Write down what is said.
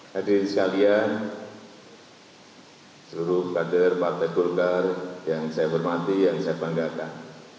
hadirin sekalian seluruh kader partai golkar yang saya hormati yang saya banggakan